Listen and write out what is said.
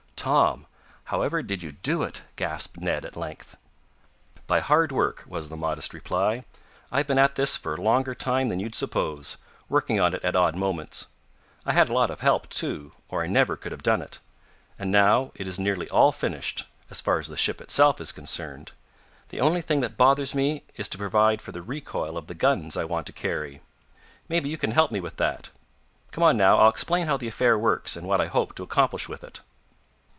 "Tom, however did you do it?" gasped Ned at length. "By hard work," was the modest reply. "I've been at this for a longer time than you'd suppose, working on it at odd moments. I had a lot of help, too, or I never could have done it. And now it is nearly all finished, as far as the ship itself is concerned. The only thing that bothers me is to provide for the recoil of the guns I want to carry. Maybe you can help me with that. Come on, now, I'll explain how the affair works, and what I hope to accomplish with it."